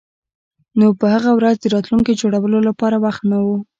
نو په هغه ورځ د راتلونکي جوړولو لپاره وخت نه و